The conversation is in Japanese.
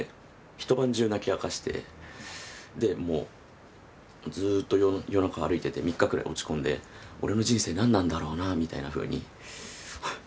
一晩中泣き明かしてでもうずっと夜中歩いてて３日くらい落ち込んで俺の人生何なんだろうなみたいなふうに。